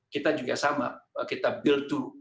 kita juga sama kita build to